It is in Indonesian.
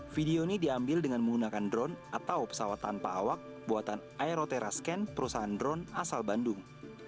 video ini diambil dengan menggunakan drone atau pesawat tanpa awak buatan aeroterascan perusahaan drone asal bandung